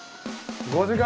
５時間。